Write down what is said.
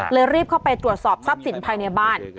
รีบเข้าไปตรวจสอบทรัพย์สินภายในบ้าน